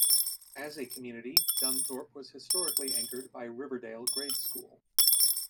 As a community, Dunthorpe was historically anchored by Riverdale Grade School.